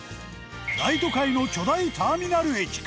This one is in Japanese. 大都会の巨大ターミナル駅か？